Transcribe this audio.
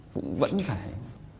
vũ vẫn phải